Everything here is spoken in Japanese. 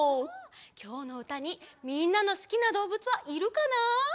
きょうのうたにみんなのすきなどうぶつはいるかな？